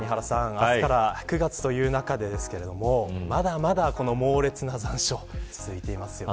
明日から９月という中でまだまだ猛烈な残暑続いていますね。